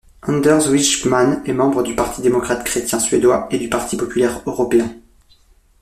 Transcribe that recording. Anders Wijkman est membre du parti démocrate-chrétien suédois et du Parti populaire européen.